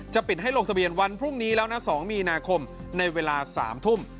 ปิดให้ลงทะเบียนวันพรุ่งนี้แล้วนะ๒มีนาคมในเวลา๓ทุ่ม